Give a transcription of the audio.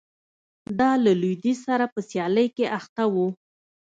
دا له لوېدیځ سره په سیالۍ کې اخته و